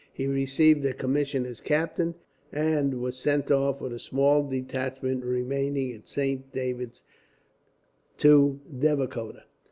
He received a commission as captain and was sent off, with a small detachment remaining at Saint David's, to Devikota.